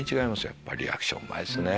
やっぱリアクションうまいっすね。